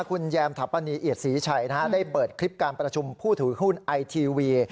คุณแยมถัปนีเอียดศรีชัยได้เปิดคลิปการประชุมผู้ถือหุ้นไอทีวี